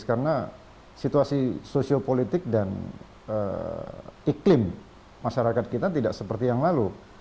karena situasi sosio politik dan iklim masyarakat kita tidak seperti yang lalu